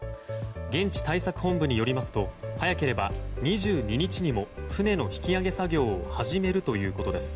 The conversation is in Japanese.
現地対策本部によりますと早ければ２２日にも船の引き揚げ作業を始めるということです。